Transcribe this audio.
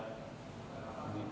kita nggak jadi jual